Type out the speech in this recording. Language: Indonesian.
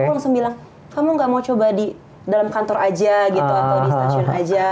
aku langsung bilang kamu gak mau coba di dalam kantor aja gitu atau di stasiun aja